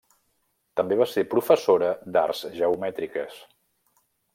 També va ser professora d'arts geomètriques.